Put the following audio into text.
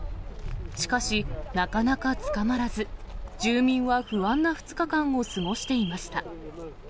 しかし、なかなか捕まらず、住民は不安な２日間を過ごしていました。